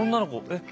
えっ